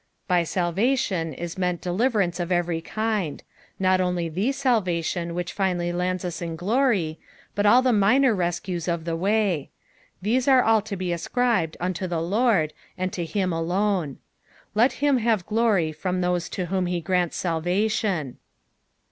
By salvation is meant deliver ance of every kind ; not only Ae salvation which finally lands us in glory, but nil the minor rescues of the way ; these are all to be ascribed unto the Lord, and to him alone. Let him have glory from those to whom he grants salvation.